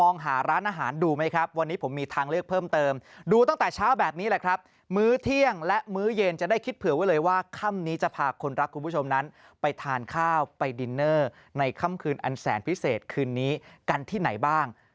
ในคำคืนอันแสนพิเศษคืนนี้กันที่ไหนบ้าง